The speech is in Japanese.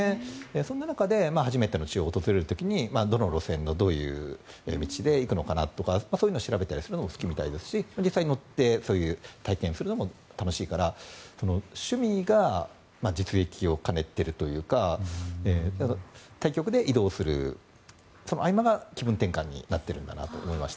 そんな中で初めての地を訪れる時にどの路線のどういう道で行くのかなというそういうのを調べたりするのが好きみたいですし実際に乗ってそういう体験をするのも楽しいから趣味が実益を兼ねているというか対局で移動する、その合間が気分転換になっているんだなと思います。